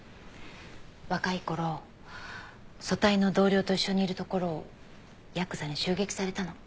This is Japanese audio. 若い頃組対の同僚と一緒にいるところをヤクザに襲撃されたの。